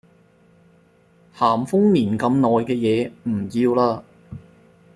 咸豐年咁耐嘅嘢唔要喇